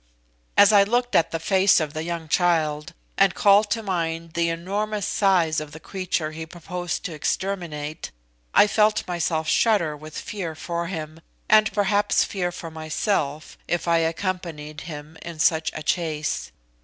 As I looked at the face of the young child, and called to mind the enormous size of the creature he proposed to exterminate, I felt myself shudder with fear for him, and perhaps fear for myself, if I accompanied him in such a chase.